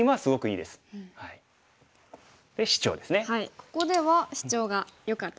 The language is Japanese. ここではシチョウがよかったですね。